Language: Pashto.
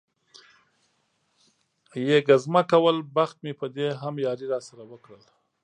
یې ګزمه کول، بخت مې په دې هم یاري را سره وکړل.